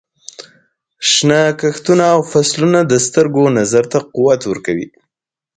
شنه کښتونه او فصلونه د سترګو نظر ته قوت ورکوي.